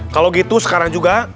kalau gitu sekarang juga